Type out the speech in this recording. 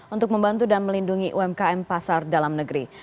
untuk membantu dan melindungi umkm pasar dalam negeri